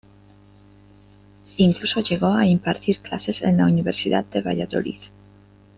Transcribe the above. Incluso llegó a impartir clases en la Universidad de Valladolid.